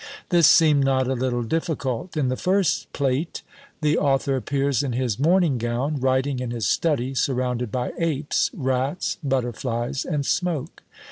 This seemed not a little difficult. In the first plate, the author appears in his morning gown, writing in his study, surrounded by apes, rats, butterflies, and smoke.